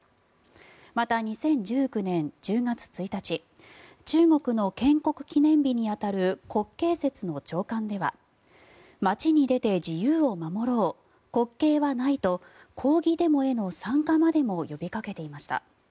また、２０１９年１０月１日中国の建国記念日に当たる国慶節の朝刊では街に出て自由を守ろう国慶はないと抗議デモへの参加までも呼びかけていました。